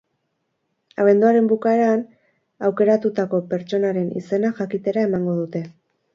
Abenduaren bukaeran, aukeratutako pertsonaren izena jakitera emango dute.